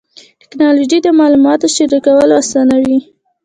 ټکنالوجي د معلوماتو شریکول اسانوي.